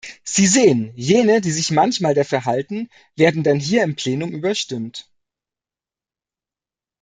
Sie sehen, jene, die sich manchmal dafür halten, werden dann hier im Plenum überstimmt.